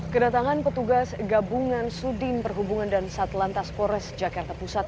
kedatangan petugas gabungan sudin perhubungan dan satlantas forest jakarta pusat